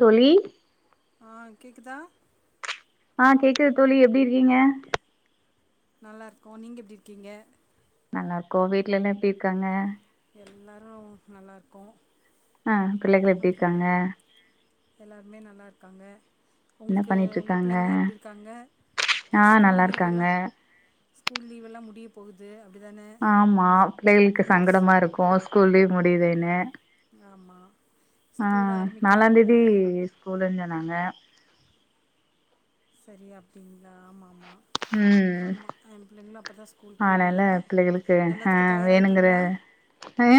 தோழி ஆ கேக்குதா அ கேக்குது தோழி எப்டி இருக்கீங்க நல்லாருக்கோ நீங்க எப்டி இருக்கீங்க நல்லாருக்கோ வீட்லலா எப்டி இருக்காங்க எல்லாரு நல்லாருக்கோ அ பிள்ளைகள் எப்டி அப்றோ இருக்காங்க எல்லாருமே நல்லாருக்காங்க என்ன உங்களுக்கு பண்ணிட்டு உங்க இருக்காங்க புள்ளைங்கலா எப்டிருக்காங்க ஆ ஸ்கூல் நல்லா இருக்காங்க லீவ்வல்லா ஸ்கூல் லீவெல்லா முடிய போகுது அப்டிதான ஆமா பிள்ளைகளுக்கு உங்களுக்கு ஸ் சங்கடமாருக்கு ஸ்கூல் முடியதேனு ஆமா அ ஸ்கூல் ஆரம்பிக்க ஆ நாலாந்தேதி ஸ்கூலுன்னு நாங்க செரி அப்டிங் ம் எ பிள்ளைங்களு அப்பதா ஸ்கூல் ஆனால போவாங்க பிள்ளைகளுக்கு அ எல்லாத்துக்கு வேணுங்குற தயாராயிட்டிங்களா அ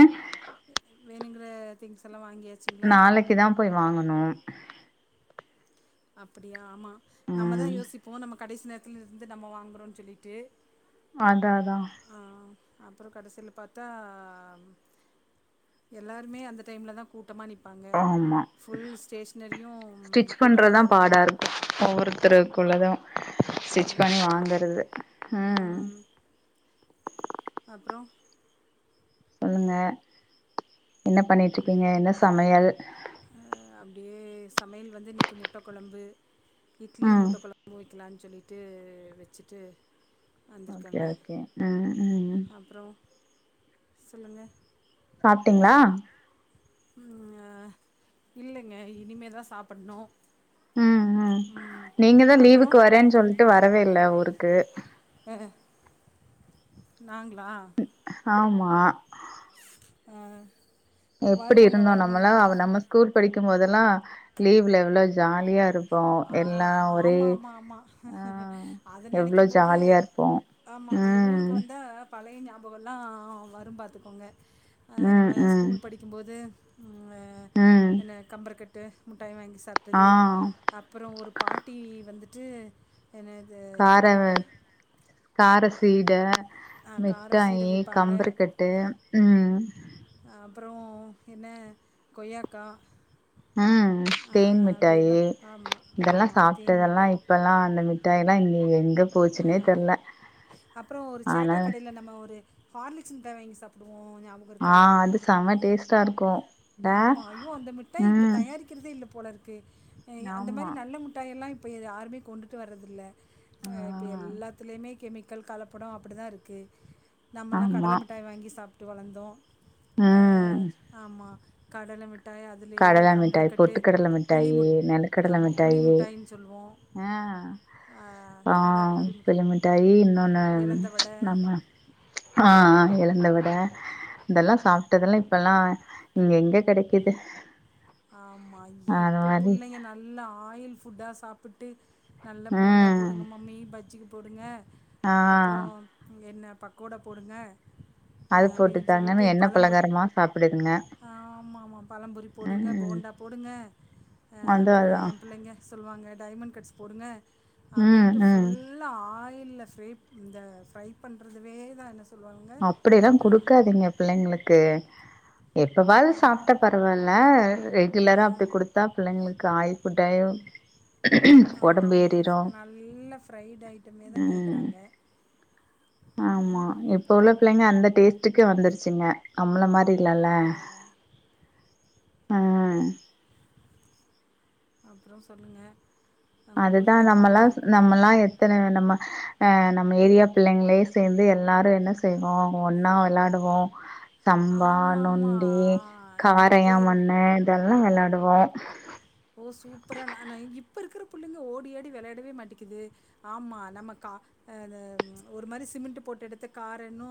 வேணுங்குற திங்ஸ் எல்லா வாங்கியாச்சுங்களா நாளைக்கு தா போய் வாங்கணு அப்டியா ஆமா நம்ம தா ம் யோசிப்போ நமக் கடைசி நேரத்தில்ல இருந்து நம்போ வாங்கோறோன் சொல்லிட்டு அதாதா ஆ அப்புறோ கடசில்ல பாத்தா எல்லாருமே அந்த டைம்ல தா கூ கூட்டமாக நிப்பாங்க ஆமா ஃபுல் ஸ்டேஷ்னரியு ஸ்டிச் கூட்டமாதா இருக்கு குள்ளதா ஸ்டிச் ஆமா பண்ணி ஆமா வாங்கறது ம் அப்புறோ சொல்லுங்க என்ன பண்ணிட்டு இருக்கீங்க என்ன சமையல் அ அப்டியே சமையல் வந்து இன்னிக்கி முட்டக் கொழம்பு இட்லியும் ம் முட்டை கொழம்பு வைக்கலான் சொல்லிட்டு வெச்சுட்டு ஓகே ஓகே அ அ அப்புறோ சொல்லுங்க சாப்ட்டீங்களா ம் அ இல்லைங்க இனிமேதா சாப்பர்ண்ணு ம் ம் நீங்க தா அப்புறோ லீவுக்கு வரேன் சொல்ட்டு வரவே இல்ல ஊருக்கு அ நாங்களா ஆமா அ எப்படி வருவோங்க இருந்தோ வருவோங்க நம்மல்லா அவ நம்ம ஸ்கூல் படிக்கும்போதெல்லா லீவ்ல எவ்வளோ ஜாலியா இருக் ஆஹ் அ ஆமா ஆமா ஆமா ஆ அத எவ்ளோ நெனைக்கும்போது ஜாலியா இருப்போ ஆமா அந்த ஊருக்கு ம் வந்தா பழய ஞாபகெல்லா வரு பாத்துக்கோங்க அ ம் நம்ம ம் ஸ்கூல் படிக்கும்போது ம் எ ம் என்ன கம்பரக்கட் டு ம் முட்டாய் வாங்கி ஆ சாப்ட்டது ஒரு பாட்டி வந்துட்டு என்னது கார என்ன கார சீட கார சீடை மிட்டாயி விற்பாங்க கம்பருக்கட்டு உம் அப்பறோ என்ன கொய்யாக்கா உம் தேன் மிட்டாயி ஆமாம் இதெல்லா ஆமாம் தேன் சாப்ட்டதெல்லா மிட்டாய் இப்பல்லா அந்த மிட்டாயி லா இனி எங்க ஆ போச்சுன்னே தெர்ல அப்பறோ ஒரு ஆனா சேட்டா கடைல நம்ம ஒரு ஹார்லெக்ஸ் முட்டாய் வாங்கி சாப்பிடுவோம் ஞாபகம் இருக்கா ஆஹ் அது செம டே ஸ்டாருக்கு ஆமா ஐயோ அந்த மிட்டாய் இப்ப தயாரிக்கிறதே இல்ல போல இருக்கு எ அந்த மாரி ஆமா நல்ல முட்டாயெல்லா இப் ப இத யாருமே கொண்டுட்டு வரதில்ல ஆ எ இப்ப எல்லாத்துலயுமே கெமி க்கள் கலப்படோ அப்பிடி தா இருக்கு நம்மல்லா ஆமா கடல மிட்டாய் வாங்கி சாப் ட்டு வளந்தோ ம் அஹ் ஆமா கடல மிட் கடல மிட்டாய் பொட்டுக் கடல பிளி மிட்டாயி முட் நெலக்கடல ஆமா புளி மிட்டாயி முட்டாய்ன்னு சொல்லுவோம். ஆஹ் அ அதான் ஆஹ் புளி முட் பிளி மிட்டாயி இன்னோன்னு எலந்த வட நம்ம ஆஹ் ஆஹ் அஹ் எலந்த வட இதெல்லா சாப்ட்டதெல்லா இப்பெல்லா இங்க எங்க கெடைக்குது ஆமா அது இப்ப மாரி புள்ளைங்க நல்ல ஆயில் ஃபுட்டா சாப்பிட்டு நல்ல போண்டா ம் போடுங்க மம்மி பஜ்ஜி [unintelligible] போடுங்க ஆ அப்பறோ என்ன பக்கோடா போடுங்க அது அப்டின் சொல்லிட்டு போட்டுத்தாங்கன்னு எண்ணெ பழம்புரி பலகாரமா சாப்டுதுங்க ஆமா ஆமா பழம்புரி போடுங்க ம் போண்டா போடுங்க அஹ் அது அப்ற அதா எ பிள்ளைங்க சொல்லுவாங்க டைமண்ட் கட்ஸ் போடுங்க ம் அப்டின்ட்டு ம் ஃபுல்லா ஆய் யில்ல ஃப்ரைப் இந்த ஃப்ரை பண்றதுவே தா என்ன சொல்லுவாங்க அப்டியெல்லா அ குடுக்காதீங்க பிள்ளைங்களுக்கு எப்பவாது அ சாப்ட்டா பரவால்ல ரெகுலரா அ அப்டி குடுத்தா பிள்ளைங்களுக்கு ஆயில் ஃபுட்டயு ஆ ஆமா நல்ல ஃரைட் ஐட்டமே தா ம் கேக்குறாங்க சிக்கு வந்துருச்சுங்க நம்மள மாரி இல்லல ஆ, ஆஹ் அப்றோ சொல்லுங்க அதுதா நம்மலா சொ நம்மலா எத்தன நம்ம அஹ் நம்ம ஏரியா பிள்ளைங்ளே சேந்து எல்லாரு என்ன செய்வோ ஒன்னா வெளாடுவோ சம்பா ஆமாம் நொண்டி ஆமாம் இப்போ காரையா இரு மண்ணு இதெல்லா வெளாட் டுவோ ஓ சூப்பரா நானு இப்ப இருக்கிற புள்ளைங்க ஓடி ஆடி வெளையாடவே மாட்டிக்குது ஆமா நம்ம கா அ இந்த ஒரு மாரி சிமிண்ட்டு போட்டெடுத்து காரன்னு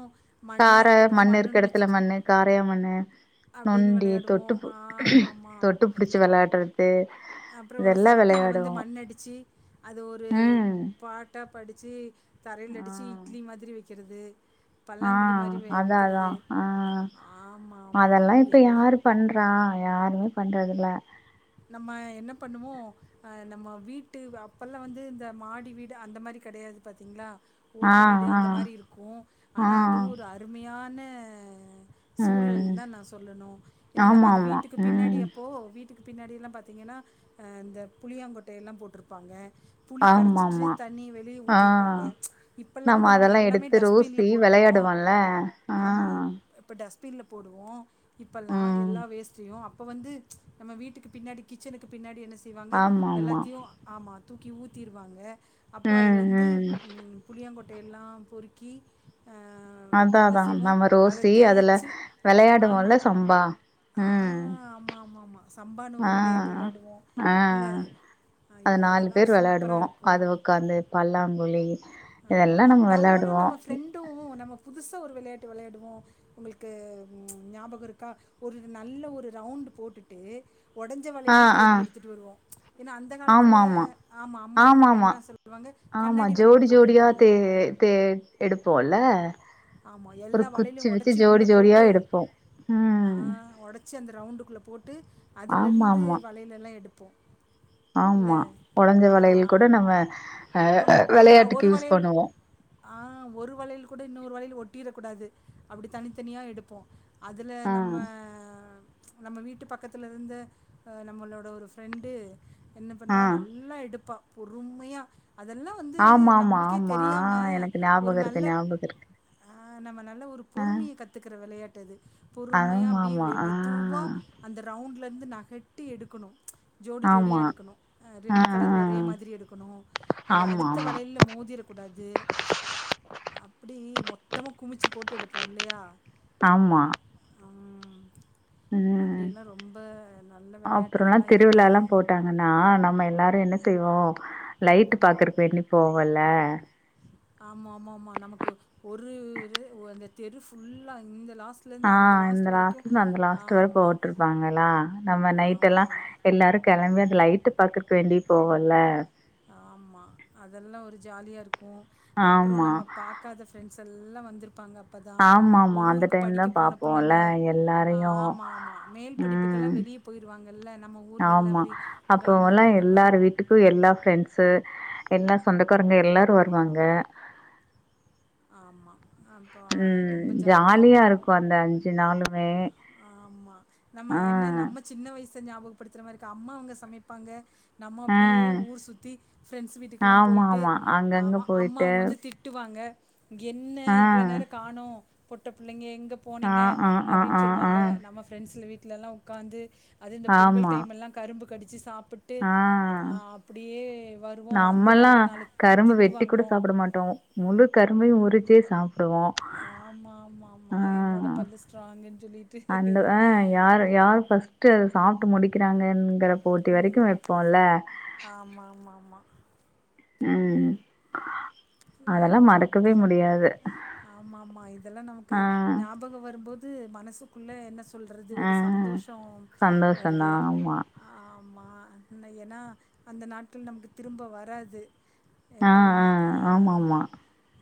கார மண்ணு இருக்க எடத்துல மண்னு காரயா மண்ணு அப்படின்னு நொண்டி தொட்டு விளையாடுவோம் பு ஆமாம் தொட்டு புடிச்சு வெளாட்றது அப்றோ இதெல்லா செரட்டைல வந்து வெளையாடுவோ மண் அடிச்சு அது ஒரு ம் பாட்டா படிச்சு தரைல அடிச்சு இட்லி மாதிரி வெக் க்கிறது ஆஹ் அதா அதா ஆஹ் ஆமாம் ஆமாம் அதல்லா ஐயோ இப்ப என்ன யாரு பண்றா யாருமே பண்றதுல நம்ம என்ன பண்ணுவோ அஹ் நம்ம வீட்டு அப்பலா வந்து இந்த மாடி வீடு அந்த மாரி கெடையாது பாத்தீங்ளா ஆ ஓட்டு வீடு ஆ அந்த மாரி இருக்கு ஆ ஆனா அதுவு ஒரு அருமையான சூழல் ம் தா நா சொல்லணு ஏனா நம்ம ஆமா அந்த ஆமா வீட்டுக்கு பின்னாடி ம் அப்போ வீட்டுக்கு பின்னாடிலா பாத்திங்கனா அஹ் இந்த புளியாங்கொட்டயெல்லா போட்ருப்பாங்க புளி ஆமா கரச்சிட்டு ஆமா தண்ணிய வெளியே ஆ ஊத்திருப்பாங்க இப்பலா வந்து நம்ம அதெல்லா எல்லாமே எடுத்து டஸ்பின்ல ரோசி போடுவோ வெளையாடுவோல்ல ஆ ஆமா இப்ப டஸ் பின்ல போடுவோ இப்பலா ம் எல்லா வேஸ்ட்டையு அப்ப வந்து நம்ம வீட்டுக்கு பின்னாடி கிச்சனுக்கு பின்னாடி என்ன செய்வாங்க ஆமா ஆமா எல்லாத்தயு ஆமா தூக்கி ஊத்திருவாங்க அப்போ ம் அதுலருந்து ம் உம் புளியங்கொட் டையெல்லா பொருக்கி அதா அதா நம்ம ரோசி அதுல தேய்ச்சு ஆமா வெளையாடுவோல சம்பா ஆ அஹ் ஆமா ஆமா ஆமா சம்பா நூறு ஆ விளையாட்டு விளையாடுவோ ஆ இல்ல அது ஐயோ நாலு அதெல்லா பேர் சூப்பரா வெளையாடுவோ இருக்கு அது உக்காந்து பல்லாங்கு லேயே ஆமா நம்பளு நம்ப ஃப்ரெண்டு நம்ம புதுசா ஒரு வெளையாட்டு வெளையாடுவோ உங்களுக்கு ஞாபகருக்கா ஒரு நல்ல ஒரு ரவுண்டு போட்டுட்டு ஒடஞ்ச ஆ வலயிலு ஆ தேடி எடுத்துட்டு வருவோ ஏனா அந்த காலத்துல ஆமா ஆமா ஆமா அம்மாவுங்கெல்லா சொல்லுவாங்க ஆமா கண்ணாடி வளயல் ஜோடி ஜோடியா தே தே எடு போ போல்ல ஆமா எல்ல வலயலு ஒடச்சி உள்ள ஜோடியா போட்டு எடுப்போ ஆ ம் ஒடச்சி அந்த ரவுண்டுக்குள்ள போட்டு அதுல ஆமா இருந்து ஆமா வளயலெல்லா எடுப் போ ஆமா ஒடஞ்ச வலயில் கூட நம்ம அ ஆமா ஒரு ஒரு வெளையாட்டுக்கு யூஸ் வளையல் பண்ணுவோ இன்னோரு வளயல் ஒட்டிரக் கூடாது அப்டி தனித்தனியா எடுப்போ அதுல ஆ நம்ம அ நம்ம வீட்டு பக்கத்துலருந்து நம்மளோட ஒரு ஃப்ரெண்டு என்ன ஆ பண்ணுவா நல்லா எடுப்பா பொறும்மையா ஆமா ஆமா ஆமா எனக்கு ஒரு ஞாபகருக்கு நல்ல ஞாபகருக்கு ஆ நம்ம நல்ல ஒரு பொறுமைய கத்துக்குற வெளையாட்டு அது பொறுமையா ஆமா அப்டியே ஆமா வெ ஆ மெதுவா அந்த ர ரவுண்ட்லேருந்து நகட்டி எடுக்கணு ஜோடி ஜோடியா ஆமா எடுக்கணு ஆ ரெண்டு கலர் ஒரே மாதிரி எடுக்கணு அது ஆமா அடுத்த ஆமா வளையல்ல மோதிரக்கூடாது அப்டி மொத் குமிச்சி போட்டு எடுப்போ இல்லையா ஆமா ம். ம் அப்டியெல்லாம் ரொம்ப நல்ல அப்பறோல்லா விளையாட்டுகள்லாம் இருந்தது. திருவிழாலா போட்டாங்கன்னா நம்ம எல்லாரு என்ன செ செய்வோ லைட் பாக்குற போய் நிப்போ இல்ல ஆமா ஆமா ஆமா நமக்கு ஒரு அந்த தெரு ஃபுல்லா இந்த லாஸ் ஆ இந்த லாஸ்ட்லேருந்து அந்த லாஸ்ட் வர ஆமா. போட்டுருப்பாங்களா நம்ம நைட் எல்லா ஆமாமா. எல்லாரு கெலம்பி அந்த லைட்டு பாக்கருக் வேண்டி போவோல்ல ஆமா அதெல்லா ஒரு ஜாலியா இருக்கு க்கு அப்றோ ஆமா நம்ம பாக்காத பிரெண்ட்ஸ் இதெல்லா வந்திருப்பாங்க அப்பதா ஆமாமா அந்த ஊருக்கு டைம் தா படிக்க போன பாப்போல்ல பிள்ளைங்க எல்லாரையு ஆமா ஆமா மேல் படிப்புக்கெல்லா ம் வெளிய போயிருவாங்கல்ல நம்ம ஊர்கள்ள ஆமா அப்டி அப்போல்லா கிராமங்கங்கற மாரி எல்லார் வீட்டுக்கு எல்லா ஃப்ரெண்ட்ஸு எல்லா சொந்தக்காரங்க எல்லாரு வருவாங்க ஆமா அப்ப ம் ரொம்ப ஜாலியா இருக்கும் இருக்கு அந்த அஞ்சு நாளுமே ஆமா நம்ம ஆ என்ன நம்ம சின்ன வயசு செஞ்ச ஞாபகப்படுத்துற மாரி இருக்க அம்மா அவங்க சமைப்பாங்க நம்ம ஆ அப்டியே ஊர் சுத்தி ஃப்ரெண்ட்ஸ் வீட்டுங்கலாம் ஆமா போயிட்டு ஆமா அங்கங்க ஆமா அம்மா போயிட்டு அவங்க வந்து திட்டுவாங்க என்ன ஆ இவ்ளோ நேர காணு போட்ட பிள்ளைங்க எங் ஆ போனீங்க ஆ ஆ அப்டின்னு ஆ ஆ சொல்லுவாங்க நம்ம பிரெண்ட்ஸ்ல வீட் ட்டலலா உக்காந்து அது இந்த பொங்கல் ஆமா டைம்மலா கரும்பு கடிச்சு சாப் ப்புட்டு ஆ ஆ அப்டியே வருவோம் வந்து நம்மல்லா நல்லா நாலு கரும்பு திட்டு வாங்குவோம் ம்பையும் உரிச்சி சாப் ஆமா ஆமா ஆமா என்னோட பல்லு ஸ்ட்ராங்கன் சொல்லிட் அந்த ஆஹ் யார் யார் ஃபஸ்ட்டு அத சாப்ட்டு முடிக்கிறாங்கங்குற போட்டி வரைக்கும் ம். வைப்போம்ல ஆமா ஆமா ஆமா உம் ஏ ஐயோ அப்டி ஆமா ஆமா இதெல்லாம் நமக்கு ஆ ஞாபகம் வரும்போது து மனசுக்குள்ள என்ன சொல்றது ஆ ஒரு சந்தோஷம் சந்தோஷந்தா வருது ஆமா ஆ ஆமா ஏனா அந்த நாட்கள் நமக்கு திரும்ப வராது எப்பவுமே ஆம ஆமாம்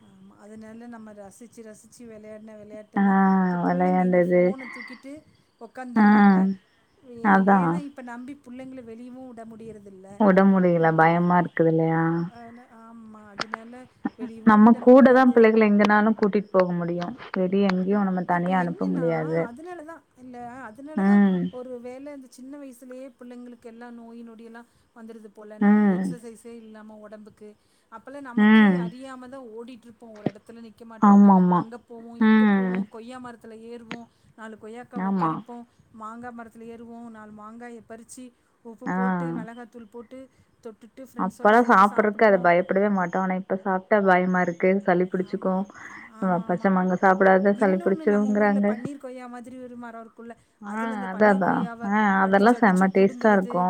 ஆ அதனால நம்ம ரசிச்சு ரசிச்சத்து விளையாட என்ன விளையாட்டு ஆ எல்லாம் இப்ப பிள்ளைங்க இங்க வெளையாண்டது போன தூக்கிட்டு ஆ உக்காந்துர்றாங்க அதா ஏன்னா இப்ப நம்பி பிள்ளைங்கள வெளியவும் விட முடிறது உட முடியல பயமா இருக்குது இல்லையா ஆமாம் அதனால வெளியவும் நம்ம விட கூட தா முடியாது பிள்ளைகள எங்கனாலு கூட்டிட்டு போக முடியு வெளிய எங்கேயு நம்ம இப்ப தனியா அனுப்ப என்னன்னா முடியாது அதனாலதா இல்ல அதனாலதா ம் ஒரு வேல இந்த சின்ன வயசுலயே பிள்ளைகளுக்கு எல்லா நோய் நொடி எல்லா வந்துடுது போல நா ம் எக்ஸசைஸே இல்லாம உடம்புக்கு அப்ப அப்பல்லாம் நமக்கே ம் அறியாம தா ஓடிட்டு இருப்போம் ஒரு இடத்துல நிற்க மாட்டோம் ஆமாமா அங்கே போவோம் இங்கே ம் போவோம் கொய்யா மர அல ஏறுவோம் நாலு கொய்யாக்க ஆமா பறிப்போம் மாங்கா மரத்தில ஏறுவோம் நாலு மாங்காயை பரிசி உப்பு போட்டு ஆ மிளகாத்தூள் போட்டு தொட்டுட்டு ஃப்ரெண்ட்ஸோட அப்பல்லா சேர்ந்து சாப்பிட்றக்கு அத சாப்பிடுவோம் பயப்படவே மாட் ஆனா இப்ப சாப்ட்டா பயமா இருக் ஆமா ஆமா ஆமா மாங்கா சாப்டாத சளி இன்னொன்னு நம்ம ஊர்ல பிடிச்சிருங்கிறாங்க பன்னீர் கொய்யா மாதிரி ஒருமர இருக்குல்ல ஆ அதுல இந்த அத பன்னீர் அதா கொய்யாவ ஆ அதெல்லா அடிச்சு அடிச்சு செம்ம டேஸ்ட்டா புடுங்குறது இருக்கு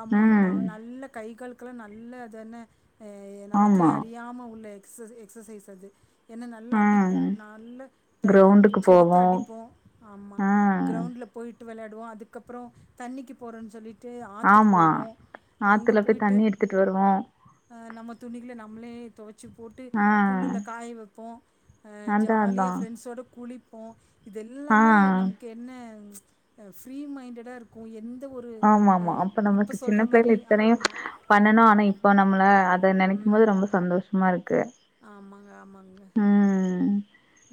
ஆமா ஆமா ம் நல்ல கைகள் குளா நல்ல தானே ஆ நமக்கே ஆமா அறியாம உள்ள சுச் எ எக்ஸசைஸ் அது ஏன்னா நல்லா அடிப்போ ம் நல்ல ஆ கிரௌண்டுக்கு குச்சி எடுத்து போவோ அடிப்போ ஆமா ஆ க்ரௌண்டில போயிட்டு வெளையா வோ அதுக்கப்புறோ தண்ணிக்கு போறன்னு சொல்லிட் ட்டு ஆத்துக்கு ஆமா போவோ அங்க ஆத்துல போய் போயிடிட்டு தண்ணி எடுத்துட்டு வருவோ நம்ம துணகள நம்மளே வச்சு போட்டு ஆ புல்லில காய வைப்போ ஆ அதா அதா ஜாலியா ஃப்ரெண்ட்ஸோட கூளி போ ஆ இதெல்லாமே நமக்கு என்ன அ ஃப்ரீ மைண்டடா இருக்கு என் ஆமா ஆமா அப்ப நமக்கு சின்ன பெரு மாரி இத்தனையு ஆமா. பண்ணனு ஆனா இ ப்போ நம்மள அ த நெனைக்கும் ம். போது ரொம்ப சந்தோஷமா இருக் ஆமாங்க ஆமாங்க ம்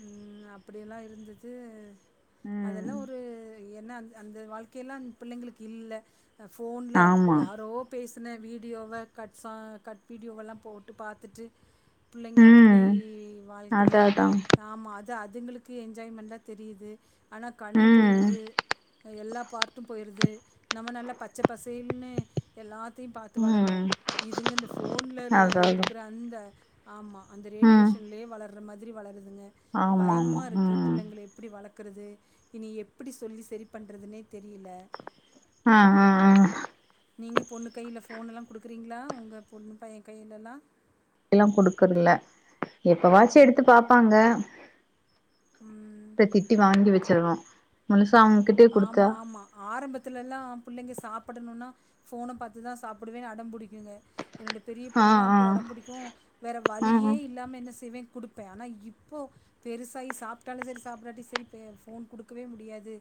உம் அப்டிய எல்லா இருந்துடு ம் அதெல்லா ஒரு ஏன்ன அந் அந்த வாழ்க்கை எல்லா பிள்ளைங்களுக்கு இல்ல அ ஃபோன்ல் ஆமா யாரோ பேச் சுன வீடியோவ கட் சா கட் வீடியோவெல்லா போட்டு பாத்துட்டு பிள்ளைங்க அப்டி ம் வாழ்க்கைய அதா அதா ஆமா அது அதுங்களுக்கு என்ஜாய்மெண்டா தெரியுது ஆனால் கண்ணு ம் போயிடுது எல்லா பாட்டு போயிடுது நம்ம நல்லா பச்ச பசேல்னு எல்லா த்தையு பாத்து வளந்தோ ம் இதுங்க இந்த ஃபோன்ல் அதா அதா இருக்குற அந்த ஆமா அந்த ம் ரேடியேஷன்லயே வளர் அந்த மாதிரி வளர்து ங்க ஆமா பயமா ஆமா இருக்கு ம் பிள்ளைங்களை எப்படி வளர்க்க இருக்கிறது இனி எப்படி சொல்லி சரி பண்றதுனே தெரியல ஆ ஆ ஆ ம் நீங்க பொண்ணு கைல ஃபோன்ல்லாம் கொடுக்குறீங்களா உங்க பொண்ணு பையன் கையிலெல்லாம் ல்லாம் குடுக்கறல எப்ப வாச்சி எடுத்து பாப்பாங்க ம் இப்ப திட்டி வாங்கி வச்சு ருவோம் மு ஆமா ஆமா ஆரம்பத்துல எல்லாம் புள்ளைங்க சாப்ப சாப்டணும்னா போன பாத்துதான் சாப்டுவேன்னு அடம் புடிக்குங்க என்னுோடைய பெரிய ஆ பிள்ளைல்லாம் ஆ அப்படி அடம்பிடிக்கும் வேற வழியே ம் இல்லாமல் என்ன செய்வேன் கொடுப்பேன் ஆனால் இப்போ பெருசாகி சாப்ட்டாலும் சரி சாப்பிடாட்டி சரி ஃபோன் கொடுக்கவே முடியாது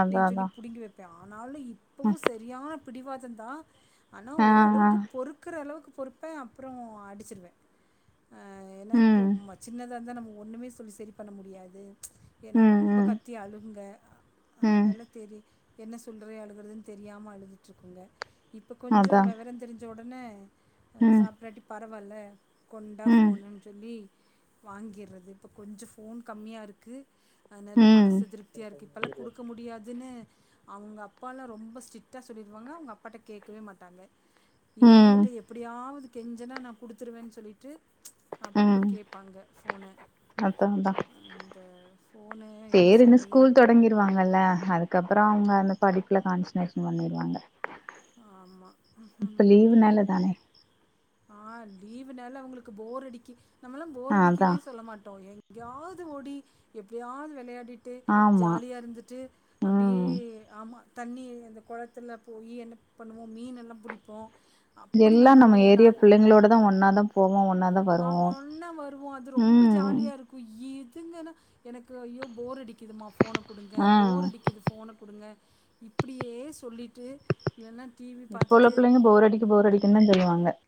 அதா அதா சொல்லி புடுங்கி வைப்பான் னால இப்பவும் சரியான புடிவாத தான் ஆனா ஆ ஆ ஓரளவுக்கு பொறுக்கற அளவுக்கு பொறுப்பேன் அப்புறம் அடிச்சுடுவேன் ஆ ஏன்னா இப்போ ம் சின்னதாக இருந்தா நம்ம ஒன்னுமே சொல்லி சரி பண்ண முடியாது ஏன்னா ம் ரொம்ப ம் கத்தி அழுங்க ம் அதனால தெரி என்ன சொல்றி அழுகறதுன்னு தெரியாம அழுதுட்டுருக்குங்க இப்ப கொஞ்சம் அதா விவரம் தெரிஞ்சவுட னே அ ம் சாப்டாட்டி ப ரவால்ல கொண்டா ம் ஃபோன்னுன் சொல்லி வாங்கியறது இப்ப கொஞ்சோ ஃபோன் கம்மியா இருக்கு அதனாலதா ம் மனசு திருப்தியா இருக்கு இப்பல்லா குடுக்க முடியாதுன்னு அவுங்க அப்பால்லா ரொம்ப ஸ்ட்ரிக்டா சொல்லிருவாங்க அவுங்க அப்பாட்ட கேக்கவே மாட்டாங்க ம் ஏன்கிட்ட எப்படியாவது கெஞ்சுனா நா கொடுத்துருவேன்னு சொல்லிட்டு அப்பப்ப ம் கேப்பாங்க ஃபோன்ன அதா அதா அந்த ஃபோன்னு என்ன சொல்றது வாருவங்கல்ல அதுக்கப்புற அவங்க அந்த படிப்புல கான்சன்ட்ரேஷன் பண்ணிடுவாங்க ஆமா லீவுனால தானே ஆ லீவுனால அவங்களுக்கு போர் அடிக்கி நம்மளாம் போர் அதா அடிக்கினே சொல்ல மாட்டோ எங் எங்கயாது ஓடி எப்டியாவது விளையாடிட் ட்டு ஆமா ஜாலியா இருந்துட்டு அப்டியே ம் ஆமா தண்ணி அந்த குளத்துல போய் என்ன பண்ணுவோம் மீன்லெல்லா பிடிப்போ இதெல்லா நம்ம ஏரியா புள்ளைங்களோட தா ஒன்னா தா போவோ ஒன்னாதா ஆ வருவோ ஒன்னா வருவோ அது ரொம்ப ம் ஜாலியா இருக்கு இ துங்கன்னா எனக்கு ஐயோ போர் அடிக்குதுமா ஃபோன குடுங்க ஆ போர் அடிக்குது ஃபோன குடுங்க இப்படியே சொல்லிட் இப்ப உள்ள புள்ளைங்க போர் அடிக்கு போர் அடிக்குன்னு தா சொல்லுவாங்க